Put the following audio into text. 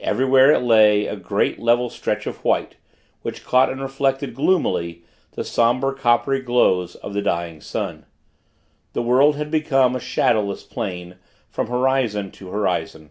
Everywhere, it lay, a great level stretch of white, which caught and reflected, gloomily, the somber coppery glows of the dying sun. The world had become a shadowless plain, from horizon to horizon.